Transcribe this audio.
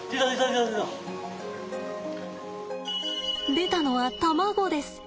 出たのは卵です。